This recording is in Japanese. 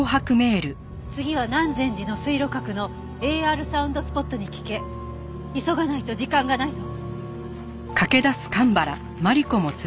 「次は南禅寺の水路閣のＡＲサウンドスポットに聞け」「急がないと時間がないぞ」